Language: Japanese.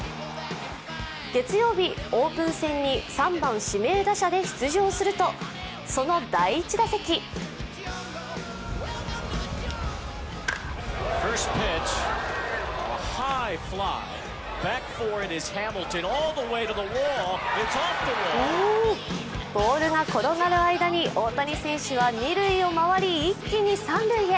月曜日、オープン戦に３番・指名打者で出場すると、その第１打席ボールが転がる間に大谷選手は二塁へ回り一気に三塁へ。